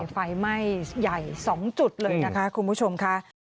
ไฟไหม้ใหญ่๒จุดเลยนะคะคุณผู้ชมค่ะ